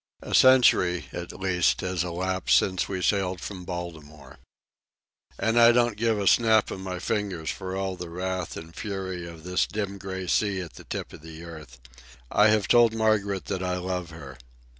A century, at least, has elapsed since we sailed from Baltimore. And I don't give a snap of my fingers for all the wrath and fury of this dim gray sea at the tip of the earth. I have told Margaret that I love her.